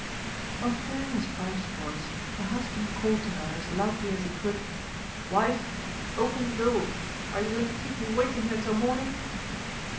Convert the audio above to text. On hearing his wife's voice the husband called to her as loudly as he could "Wife, open the door. Are you going to keep me waiting here till morning?"